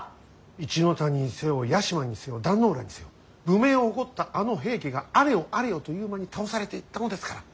一ノ谷にせよ屋島にせよ壇ノ浦にせよ武名を誇ったあの平家があれよあれよという間に倒されていったのですから。